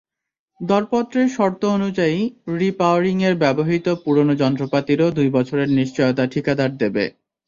দরপত্রের শর্ত অনুযায়ী, রি-পাওয়ারিংয়ে ব্যবহূত পুরোনো যন্ত্রপাতিরও দুই বছরের নিশ্চয়তা ঠিকাদার দেবে।